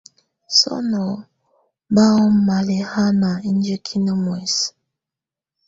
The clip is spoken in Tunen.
Sɔnɔ̀ bà ɔ́ŋ malɛ̀hana indiǝ́kinǝ muɛsɛ.